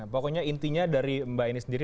pokoknya intinya dari mbak ini sendiri